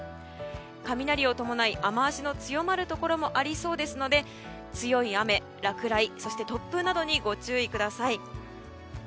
雷を伴い雨脚の強まるところもありそうですので強い雨、落雷、突風などにご注意ください。